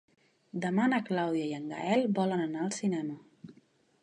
Demà na Clàudia i en Gaël volen anar al cinema.